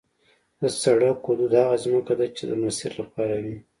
د سړک حدود هغه ځمکه ده چې د مسیر لپاره وي